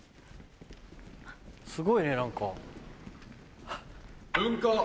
すごいね何か。